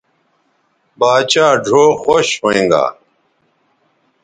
باچھا ڙھؤ خوش ھوینگا